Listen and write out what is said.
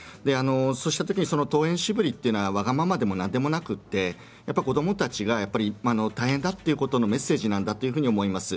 そうしたときに登園しぶりはわがままでも何でもなくて子どもたちが大変だということのメッセージなんだと思います。